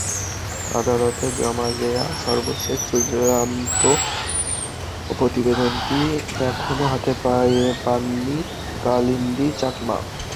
আদালতে জমা দেওয়া সর্বশেষ চূড়ান্ত প্রতিবেদনটি এখনো হাতে পাননি কালিন্দী চাকমা।